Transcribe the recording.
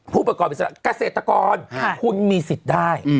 ผู้ประกอบอิสระกาเซตตกรหุมีสิทธิ์ได้